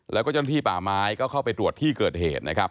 แล้วก็เจ้าหน้าที่ป่าไม้ก็เข้าไปตรวจที่เกิดเหตุนะครับ